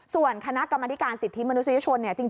ส่วนคณะกรรมการศิษย์ทิศมนุษยชนเนี่ย